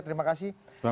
terima kasih bang usman